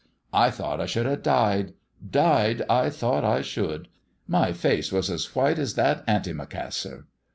I thought I should ha' died: died I thought I should. My face was as white as that antimacassar."